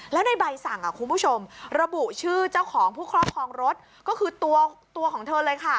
แล้วในใบสั่งคุณผู้ชมระบุชื่อเจ้าของผู้ครอบครองรถก็คือตัวของเธอเลยค่ะ